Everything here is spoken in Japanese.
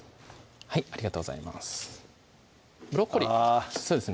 はいありがとうございますブロッコリーそうですね